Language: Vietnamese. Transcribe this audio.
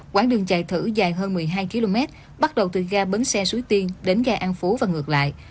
quảng đường chạy thử dài hơn một mươi hai km bắt đầu từ ga bến xe suối tiên đến ga an phú và ngược lại